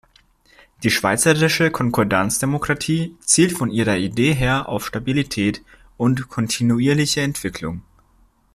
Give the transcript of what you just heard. Die schweizerische Konkordanzdemokratie zielt von ihrer Idee her auf Stabilität und kontinuierliche Entwicklung.